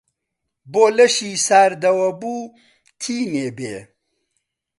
بۆ لەشی ساردەوە بوو تینێ بێ؟